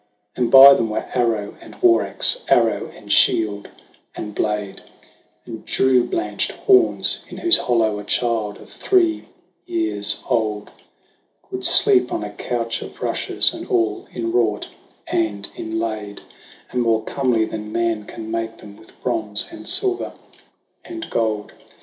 And by them were arrow and war axe, arrow and shield and blade; And dew blanched horns, in whose hollow a child of three years old Could sleep on a couch of rushes, and all in wrought and inlaid, THE WANDERINGS OF OISIN 125 And more comely than man can make them with bronze and silver and gold.